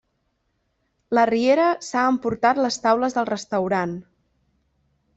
La riera s'ha emportat les taules del restaurant.